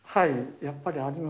やっぱりあります。